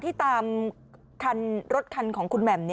ที่ตามรถคันของคุณแหม่ม